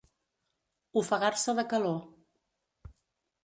Ofegar-se de calor.